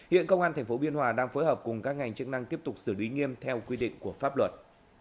hiện công an tp biên hòa đang phối hợp cùng các ngành chức năng tiếp tục xử lý nghiêm theo quy định của pháp luật